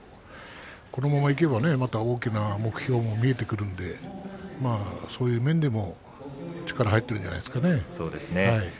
このままいけば大きな目標も見えてくるのでそういう面でも力が入っているんじゃないですかね。